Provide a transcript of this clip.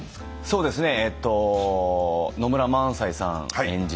そうですね。